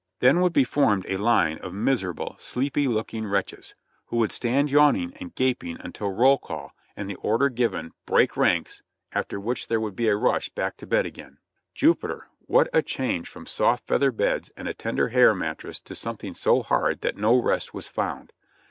Then would be formed a line of miserable, sleepy looking wretches, who would stand yawning and gaping until roll call and the order given LIFK IN THE BARRACKS 25 "break ranks," after which there would be a rush back to bed again. Jupiter ! what a change from soft feather beds or a tender hair mattress to something so hard that no rest was found.